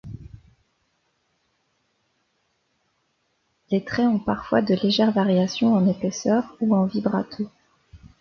Les traits ont parfois de légères variations en épaisseurs ou en vibrato.